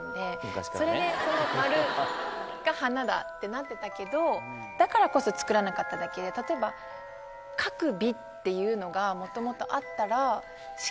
それで「丸が花だ」ってなってたけどだからこそ作らなかっただけで例えば。っていうのがもともとあったら。